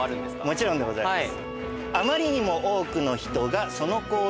もちろんでございます。